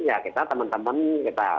ya kita teman teman kita